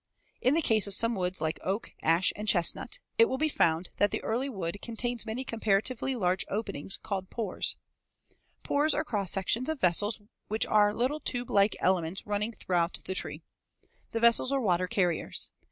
In the case of some woods like oak, ash, and chestnut, it will be found that the early wood contains many comparatively large openings, called pores, as shown in Figs. 146 and 147. Pores are cross sections of vessels which are little tube like elements running throughout the tree. The vessels are water carriers.